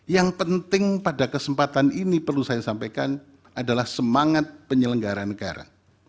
yang penting pada kesempatan ini perlu saya sampaikan adalah semangat penyelenggara negara